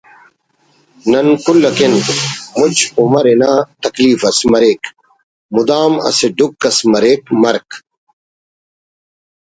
نن کل اکن مچ عمر انا تکلیف اس مریک مدام اسہ ڈکھ اس مریک مرک